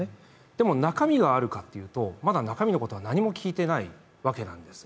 でも中身があるかというと、まだ中身のことは何も聞いていないわけなんです。